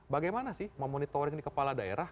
bagaimana sih memonitoring kepala daerah